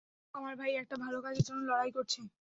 আমার ভাই একটা ভালো কাজের জন্য লড়াই করছে।